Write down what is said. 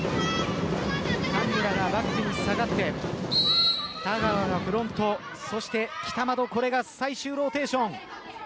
上村がバックに下がって田川がフロントそして北窓、これが最終ローテーション。